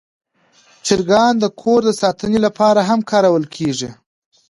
چرګان د کور د ساتنې لپاره هم کارول کېږي.